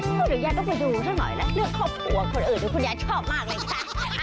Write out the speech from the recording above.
เดี๋ยวแย่ต้องไปดูเท่าน้อยนะเรื่องครอบครัวของคนอื่นที่คุณยายชอบมากเลยค่ะ